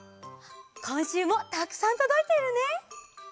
こんしゅうもたくさんとどいているね！